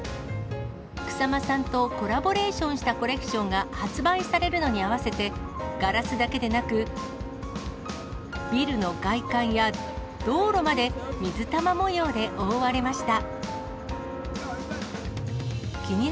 草間さんとコラボレーションしたコレクションが発売されるのに合わせて、ガラスだけでなく、ビルの外観や道路まで、水玉模様で覆われました。